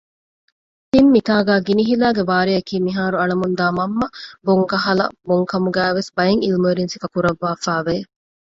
ތިން މިތާގައި ގިނިހިލައިގެ ވާރެއަކީ މިހާރު އަޅަމުންދާ މަންމަ ބޮންކަހަލަ ބޮންކަމުގައި ވެސް ބައެއް ޢިލްމުވެރިން ސިފަކުރަށްވާފައި ވެ